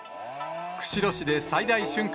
釧路市で最大瞬間